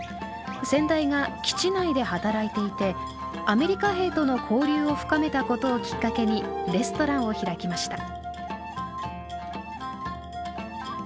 先代が基地内で働いていてアメリカ兵との交流を深めたことをきっかけにレストランを開きました。